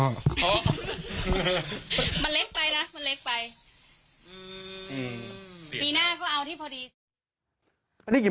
เดี๋ยวอธิษฐานนะครับ